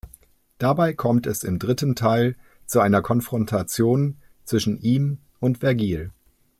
Dabei kommt es im dritten Teil zu einer Konfrontation zwischen ihm und Vergil.